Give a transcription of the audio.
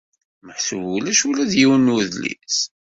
Meḥsub ulac ula d yiwen n udlis.